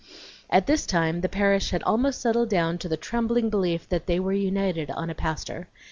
At this time the parish had almost settled down to the trembling belief that they were united on a pastor.